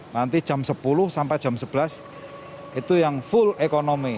nanti jam sepuluh sampai jam sebelas itu yang full ekonomi